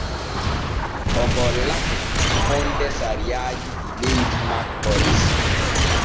O gollake fonde sariyaaji ɗi leydi makko resi.